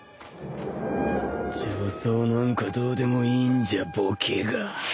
女装なんかどうでもいいんじゃボケが